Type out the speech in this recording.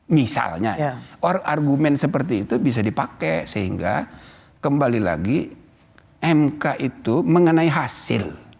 misalnya argumen seperti itu bisa dipakai sehingga kembali lagi mk itu mengenai hasil